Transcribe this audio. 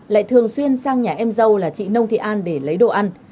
lại thường xuyên sang nhà em dâu là chị nông thị an để lấy đồ ăn